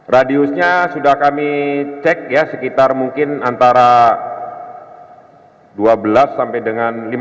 radiusnya sudah kami cek ya sekitar mungkin antara dua belas sampai dengan lima belas